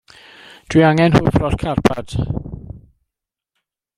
Dw i angen hwfro'r carpad.